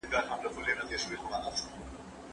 آیا الوتکه تر اورګاډي ګړندۍ ده؟